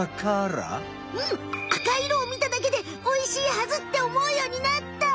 うん赤いいろをみただけで「おいしいはず」っておもうようになった！